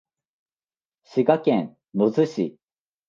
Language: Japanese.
滋賀県野洲市